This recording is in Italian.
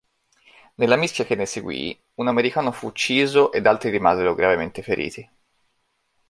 Nella mischia che ne seguì un americano fu ucciso ed altri rimasero gravemente feriti.